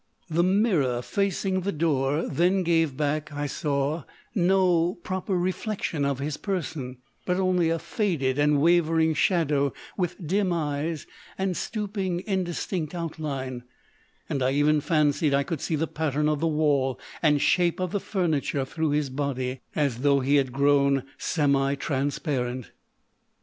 The mirror facing the door then gave back, I saw, no proper reflection of his person, but only a faded and wavering shadow with dim eyes and stooping, indistinct outline, and I even fancied I could see the pattern of the wall and shape of the furniture through his body, as though he had grown semi transparent.